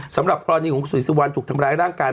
สำหรับกรณีของสีสุวันถูกทำร้ายร่างกาย